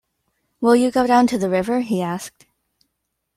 “Will you go down to the river?” he asked.